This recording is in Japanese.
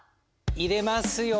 入れますよ。